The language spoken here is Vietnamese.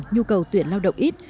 nhu cầu tuyển lao động ít